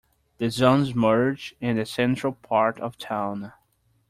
The zones merge in the central part of town.